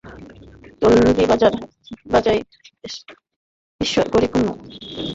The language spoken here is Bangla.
তন্ত্রী বাজাই স্বপনেতে তন্দ্রা ঈষৎ করি ক্ষুণ্ণ।